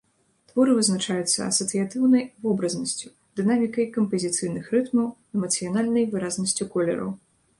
Творы вызначаюцца асацыятыўнай вобразнасцю, дынамікай кампазіцыйных рытмаў, эмацыянальнай выразнасцю колераў.